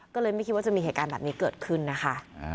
ก็เลยไม่คิดว่าจะมีเหตุการณ์แบบนี้เกิดขึ้นนะคะ